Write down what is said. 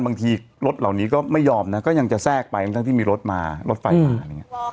บางทีรถเหล่านี้ก็ไม่ยอมนะก็ยังจะแทรกไปทั้งที่มีรถมารถไฟมาอะไรอย่างนี้